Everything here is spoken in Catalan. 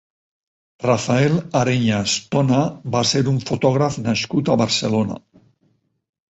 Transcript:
Rafael Areñas Tona va ser un fotògraf nascut a Barcelona.